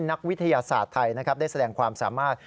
นักวิทยาศาสตร์ไทยนะครับได้แสดงความสามารถ